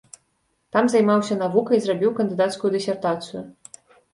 Там займаўся навукай, зрабіў кандыдацкую дысертацыю.